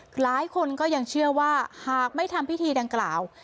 หลายคนก็ยังเชื่อว่าหากไม่ทำพิธีดังกล่าว